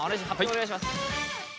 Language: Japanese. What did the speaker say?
お願いします。